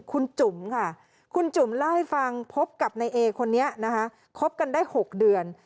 คุณจุ๋มค่ะคุณจุ๋มเล่าให้ฟังพบกับนายเอคนนี้นะคะคบกันได้๖เดือน